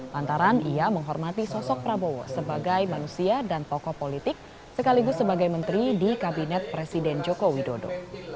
lantaran ia menghormati sosok prabowo sebagai manusia dan tokoh politik sekaligus sebagai menteri di kabinet presiden joko widodo